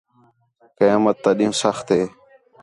قیامت تا ݙِین٘ہوں سخت ہے